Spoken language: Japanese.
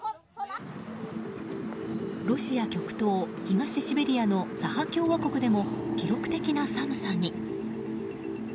ロシア極東東シベリアのサハ共和国でも記録的な寒さに。